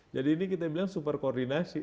jadi ini kita bilang super koordinasi